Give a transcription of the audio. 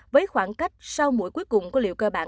với khoảng cách sau mũi cuối cùng của liều cơ bản